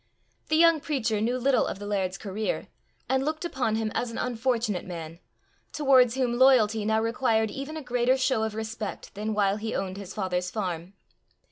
The young preacher knew little of the laird's career, and looked upon him as an unfortunate man, towards whom loyalty now required even a greater show of respect than while he owned his father's farm.